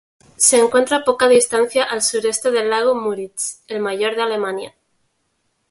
Se encuentra a poca distancia al sureste del lago Müritz, el mayor de Alemania.